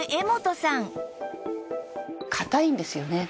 硬いんですよね。